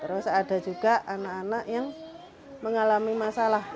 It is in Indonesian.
terus ada juga anak anak yang mengalami masalah